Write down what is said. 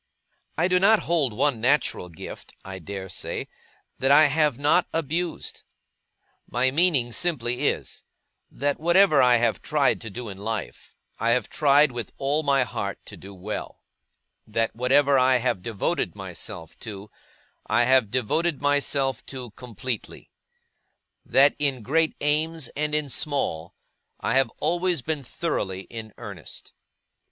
I do not hold one natural gift, I dare say, that I have not abused. My meaning simply is, that whatever I have tried to do in life, I have tried with all my heart to do well; that whatever I have devoted myself to, I have devoted myself to completely; that in great aims and in small, I have always been thoroughly in earnest.